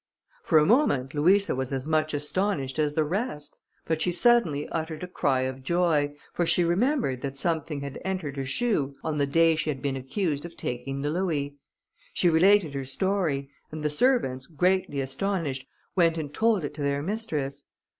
For a moment Louisa was as much astonished as the rest, but she suddenly uttered a cry of joy, for she remembered that something had entered her shoe on the day she had been accused of taking the louis. She related her story, and the servants, greatly astonished, went and told it to their mistress.